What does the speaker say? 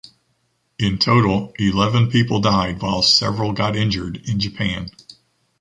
In total, eleven people died while several got injured in Japan.